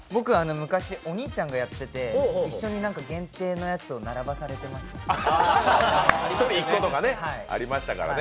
昔、お兄ちゃんがやってて、一緒に限定のやつを１人１個とかありましたからね。